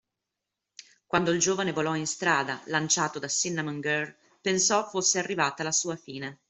Quando il giovane volò in strada, lanciato da Cinnamon Girl, pensò fosse arrivata la sua fine.